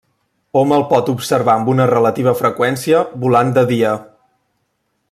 Hom el pot observar amb una relativa freqüència volant de dia.